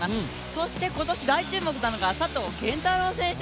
そして今年大注目なのが佐藤拳太郎選手。